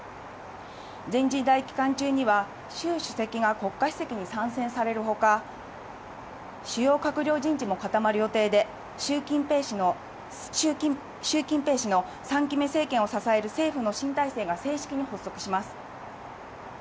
全人代期間中にはシュウ主席が国家主席に３選されるほか、主要閣僚人事も固まる予定で、シュウ・キンペイ氏の３期目政権を支える政府の新体制が正式に発足します。